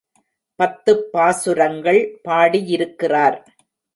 பத்துப் பாசுரங்கள் பாடியிருக்கிறார்.